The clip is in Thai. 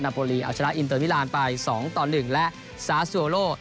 นาโพลีเอาชนะอินเตอร์วิราณไป๒๑และซาซุโอโล